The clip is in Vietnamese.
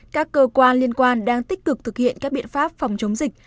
các cơ quan liên quan đang tích cực thực hiện các biện pháp phòng chống dịch